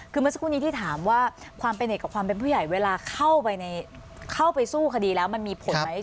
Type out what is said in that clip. คือเมื่อสักครู่นี้ที่ถามว่าความเป็นเอกกับความเป็นผู้ใหญ่เวลาเข้าไปสู้คดีแล้วมันมีผลไหม